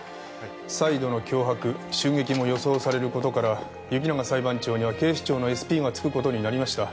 再度の脅迫襲撃も予想される事から行永裁判長には警視庁のＳＰがつく事になりました。